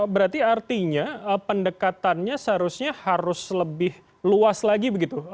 berarti artinya pendekatannya seharusnya harus lebih luas lagi begitu